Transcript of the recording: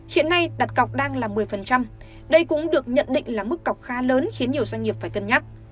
hiện nay đặt cọc đang là một mươi đây cũng được nhận định là mức cọc khá lớn khiến nhiều doanh nghiệp phải cân nhắc